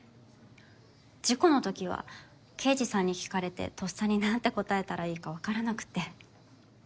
事故のときは刑事さんに聞かれてとっさになんて答えたらいいか分からなくて。